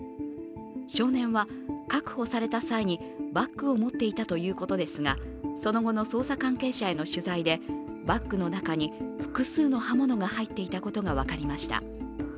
少年は確保された際にバッグを持っていたということですが、その後の捜査関係者への取材でバッグの中に複数の刃物が入っていたことが分かりました。